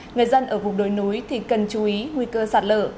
người dân ở vùng đồi núi thì cần chú ý nguy cơ sạt lở